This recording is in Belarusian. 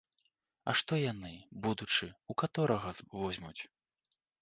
А што ж яны, будучы, у каторага возьмуць?